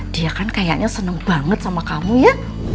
dia kan kayaknya seneng banget sama kamu ya